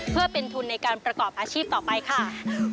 เพื่อเป็นทุนในการประกอบอาชีพต่อไปค่ะ